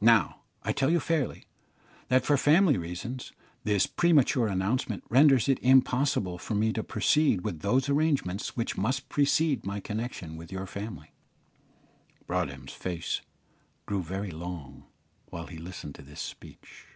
Now, I tell you fairly, that, for family reasons, this premature announcement renders it impossible for me to proceed with those arrangements which must precede my connection with your family." Broadhem's face grew very long while he listened to this speech.